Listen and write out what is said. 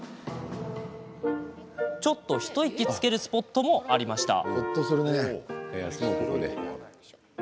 ちょっと一息つけるスポットもありました。